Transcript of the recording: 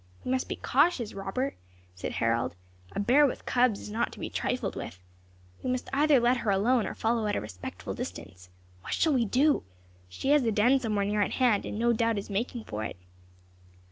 "We must be cautious, Robert," said Harold; "a bear with cubs is not to be trifled with. We must either let her alone, or follow at a respectful distance. What shall we do? She has a den somewhere near at hand, and no doubt is making for it."